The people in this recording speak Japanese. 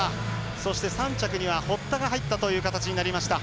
そして３着には堀田が入ったという形になりました。